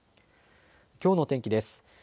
きょうの天気です。